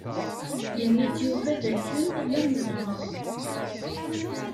Yenna-d Yuba dakken lan zzheṛ.